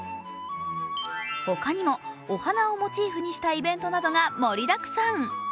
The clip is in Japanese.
他にもお花をモチーフにしたイベントなどがもりだくさん。